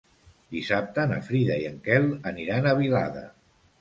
Dissabte na Frida i en Quel aniran a Vilada.